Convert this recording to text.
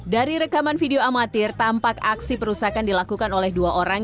dari rekaman video amatir tampak aksi perusahaan dilakukan oleh dua orang